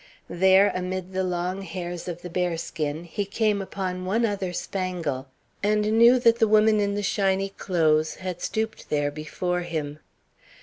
There, amid the long hairs of the bearskin, he came upon one other spangle, and knew that the woman in the shiny clothes had stooped there before him.